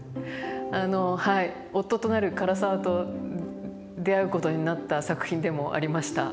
あのはい夫となる唐沢と出会うことになった作品でもありました。